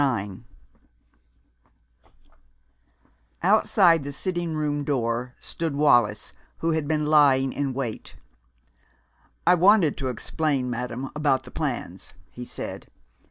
IX Outside the sitting room door stood Wallis, who had been lying in wait. "I wanted to explain, madam, about the plans," he said.